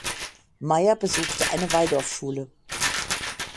Mayr besuchte eine Waldorfschule.